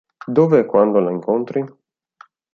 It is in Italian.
Dove e quando lo incontri?